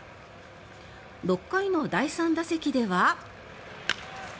６回の第３打席では。